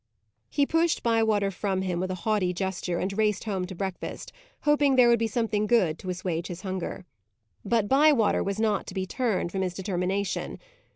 He pushed Bywater from him with a haughty gesture, and raced home to breakfast, hoping there would be something good to assuage his hunger. But Bywater was not to be turned from his determination.